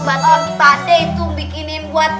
bantuan kita ada itu bikinin buat